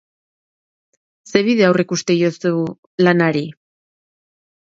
Zer bide aurreikusten diozu lanari?